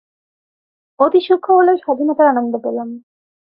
অতি সূক্ষ্ম হলেও স্বাধীনতার আনন্দ পেলাম।